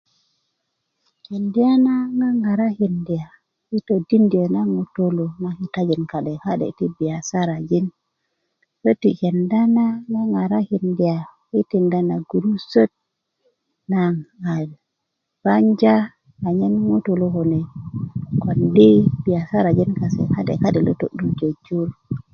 kenda na ŋarakinda i todindö na ŋutu kitajin ka'de ka'de ti biyasarajin köti kenda na ŋaŋarakinda i pujo na gurusutöt naŋ a banja anyen ŋutu kulo kondi biyasarajin ka'de ka'de lo to'duröni jur